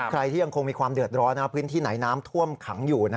ใครที่ยังคงมีความเดือดร้อนพื้นที่ไหนน้ำท่วมขังอยู่